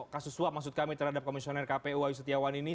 kasus suap maksud kami terhadap komisioner kpu wayu setiawan ini